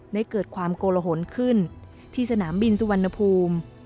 เกิดความโกลหนขึ้นที่สนามบินสุวรรณภูมิ